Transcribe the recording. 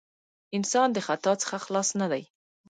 انسان د خطاء څخه خلاص نه دی.